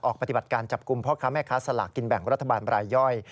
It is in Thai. ปฏิบัติการจับกลุ่มพ่อค้าแม่ค้าสลากกินแบ่งรัฐบาลบรายย่อย